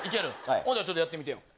ほんならちょっとやってみてよ。